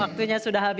waktunya sudah habis